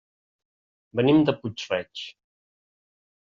Venim de Puig-reig.